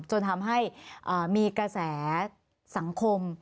จนทำให้มีกระแสสังคม